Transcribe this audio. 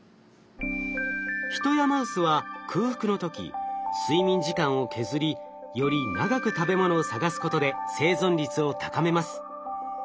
ヒトやマウスは空腹の時睡眠時間を削りより長く食べ物を探すことで生存率を高めます。